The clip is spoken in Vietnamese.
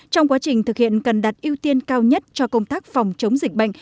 trong quá trình thực hiện cần đặt ưu tiên cao nhất cho công tác phòng chống dịch bệnh